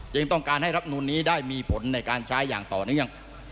ต้องการให้รับนูลนี้ได้มีผลในการใช้อย่างต่อเนื่อง